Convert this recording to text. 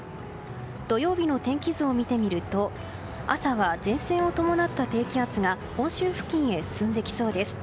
土曜日の天気図を見てみると朝は前線を伴った低気圧が本州付近へ進んできそうです。